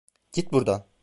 Git buradan.